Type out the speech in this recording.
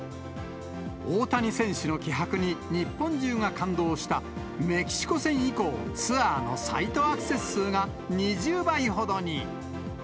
大谷選手の気迫に日本中が感動したメキシコ戦以降、ツアーのサイトアクセス数が２０倍ほどに。